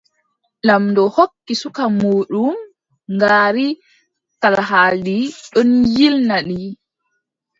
Laamɗo hokki suka muuɗum ngaari kalhaldi ɗon yiilna ndi.